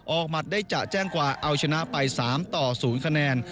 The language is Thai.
ออกหมัดได้จะแจ้งกว่าเอาชนะไปสามต่อศูนย์คะแนน